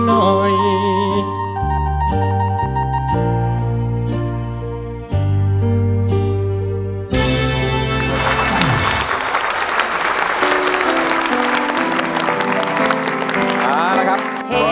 โชคชะตาโชคชะตา